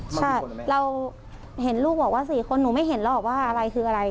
ใช่เราเห็นลูกบอกว่า๔คนหนูไม่เห็นหรอกว่าอะไรคืออะไร